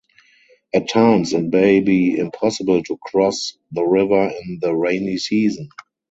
At times it may be impossible to cross the river in the rainy season.